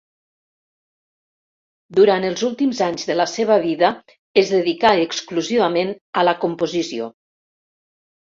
Durant els últims anys de la seva vida es dedicà exclusivament a la composició.